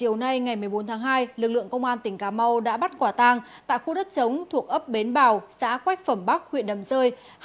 chiều nay ngày một mươi bốn tháng hai lực lượng công an tỉnh cà mau đã bắt quả tang tại khu đất chống thuộc ấp bến bào xã quách phẩm bắc huyện đầm rơi